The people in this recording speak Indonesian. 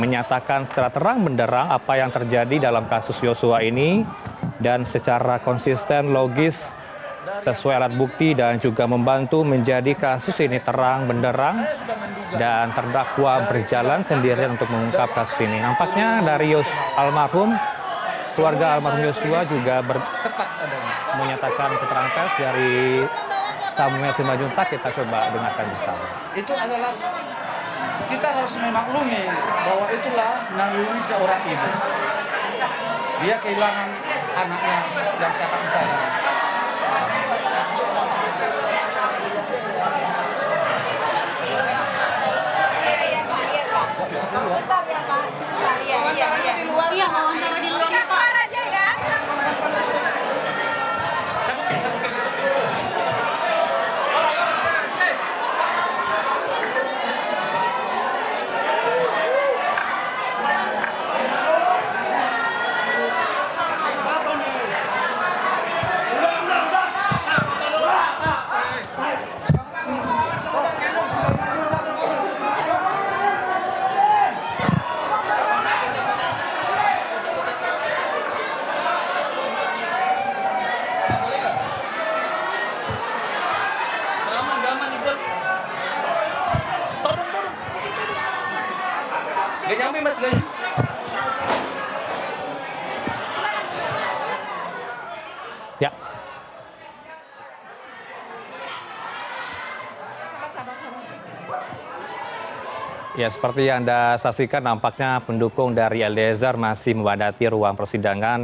ya seperti yang anda saksikan nampaknya pendukung dari el dezar masih membadati ruang persidangan